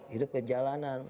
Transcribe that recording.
hidup di jalanan